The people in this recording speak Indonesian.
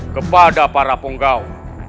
kepada para punggau